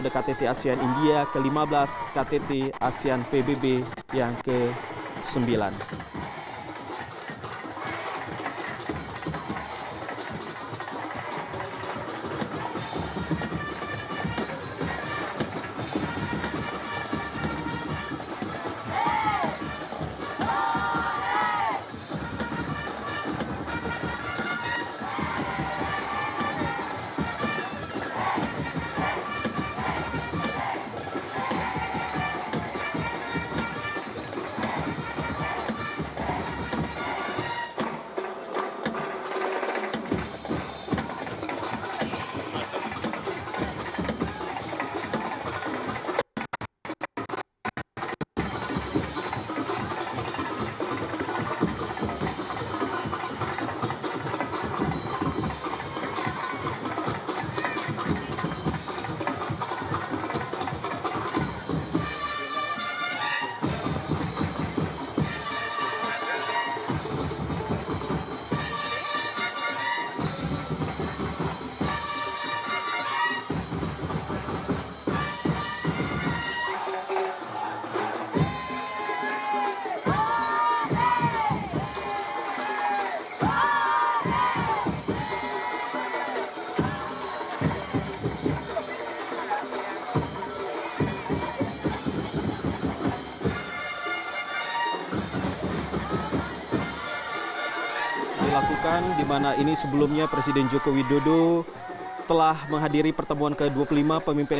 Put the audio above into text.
ktt asean jepang